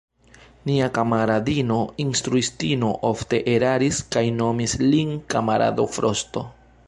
Nia kamaradino instruistino ofte eraris kaj nomis lin kamarado Frosto.